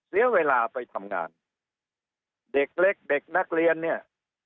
เสียเวลาไปทำงานเด็กเล็กเด็กนักเรียนเนี่ย